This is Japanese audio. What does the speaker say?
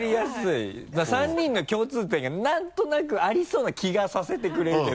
だから３人の共通点がなんとなくありそうな気がさせてくれるけど。